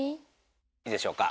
いいでしょうか？